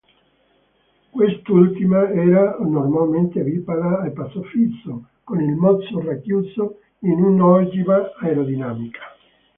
Quest'ultima era normalmente bipala a passo fisso, con il mozzo racchiuso in un'ogiva aerodinamica.